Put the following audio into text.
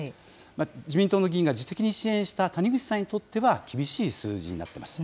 自民党の議員が自主的に支援した谷口さんにとっては、厳しい数字になってます。